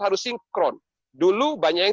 harus sinkron dulu banyak yang